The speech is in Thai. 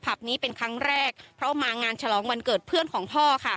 นี้เป็นครั้งแรกเพราะมางานฉลองวันเกิดเพื่อนของพ่อค่ะ